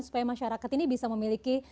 supaya masyarakat ini bisa memiliki